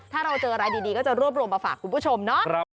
ถ้าเราเจออะไรดีก็จะรวบรวมมาฝากคุณผู้ชมเนาะ